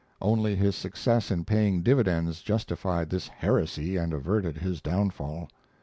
Only his success in paying dividends justified this heresy and averted his downfall.